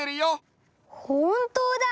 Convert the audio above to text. ほんとうだ！